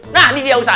nah ini dia ustaz